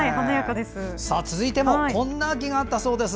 続いてもこんな秋があったそうです。